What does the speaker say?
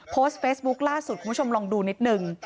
โพสต์เฟซบุ๊คล่าสุดคุณผู้ชมลองดูนิดนึง